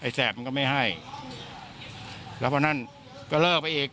แสบมันก็ไม่ให้แล้วพอนั่นก็เลิกไปอีก